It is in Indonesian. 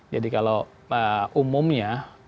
jadi kalau umumnya